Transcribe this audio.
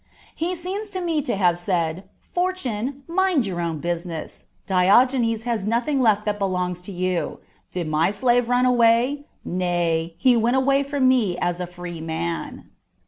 He seems to me to have said, " Fortune, mind your own business : Diogenes has nothing left that belongs to you. Did my slave run away ? nay, he went away from me as a free man."